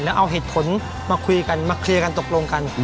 แล้วเอาเหตุผลมาคุยกันมาเคลียร์กันตกลงกัน